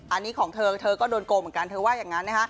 อันนี้ของเธอเธอก็โดนโกงเหมือนกันเธอว่าอย่างนั้นนะคะ